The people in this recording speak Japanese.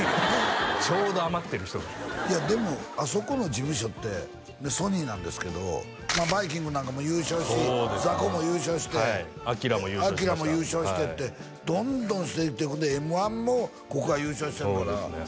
ちょうど余ってる人がいやでもあそこの事務所ってソニーなんですけどバイきんぐなんかも優勝しザコも優勝してアキラも優勝しましたアキラも優勝してってどんどんしていってほんでＭ−１もここが優勝したんやからそうですね